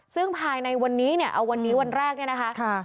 ซึ่งภายในวันนี้เนี่ยเอาวันนี้วันแรกเนี่ยนะคะ